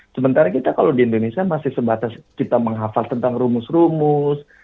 sementara kita kalau di indonesia masih sebatas kita menghafal tentang rumus rumus